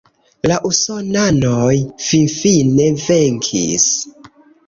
La usonanoj finfine venkis.